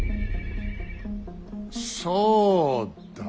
そうだ！